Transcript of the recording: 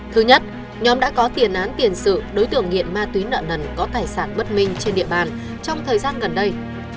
thứ nhất nhóm đã có tiền án tiền sự đối tượng nghiện ma túy nợ nần có tài sản bất minh trên địa bàn trong thời gian gần đây